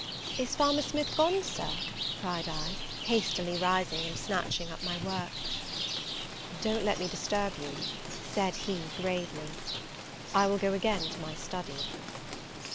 "Is Farmer Smith gone, Sir?" cried I, hastily rising, and snatching up my work. "Don't let me disturb you," said he, gravely; "I will go again to my study."